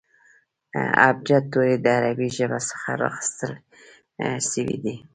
ابجد توري د عربي ژبي څخه را اخستل سوي دي.